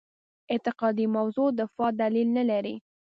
اعتقادي موضع دفاع دلیل نه لري.